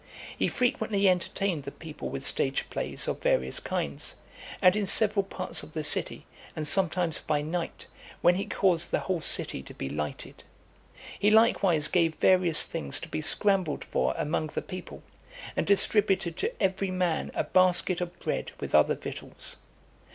He frequently entertained the people with stage plays (263) of various kinds, and in several parts of the city, and sometimes by night, when he caused the whole city to be lighted. He likewise gave various things to be scrambled for among the people, and distributed to every man a basket of bread with other victuals.